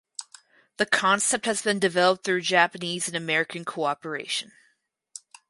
The concept has been developed through Japanese and American cooperation.